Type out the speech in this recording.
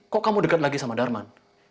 kok kamu dekat lagi sama darman